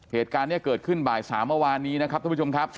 เหตุการณ์นี้เกิดขึ้นบ่าย๓เมื่อวานนี้นะครับทุกผู้ชมครับ